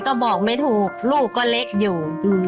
ก็บอกไม่ถูกลูกก็เล็กอยู่